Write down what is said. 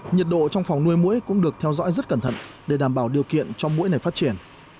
nhiệt độ trong phòng nuôi mũi cũng được theo dõi rất cẩn thận để đảm bảo điều kiện cho mũi này phát triển